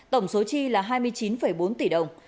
tổng số chi là hai mươi chín bốn tỷ đồng